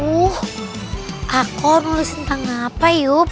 uuh aku mau nulis tentang apa yup